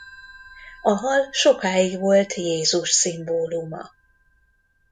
A hal sokáig volt Jézus szimbóluma.